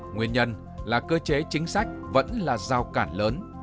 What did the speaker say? nguyên nhân là cơ chế chính sách vẫn là giao cản lớn